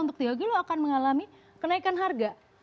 untuk tiga kilo akan mengalami kenaikan harga